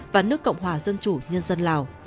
và nước cộng hòa dân chủ nhân dân lào